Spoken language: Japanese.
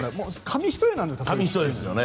紙一重なんですか？